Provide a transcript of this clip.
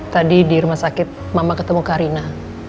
tadi di rumah sakit mama ketemu karina